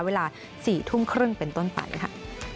เวลา๔ทุ่มครึ่งเป็นต้นไปค่ะ